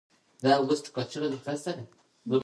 اداره د عامه چارو د سمون لپاره پلان جوړوي.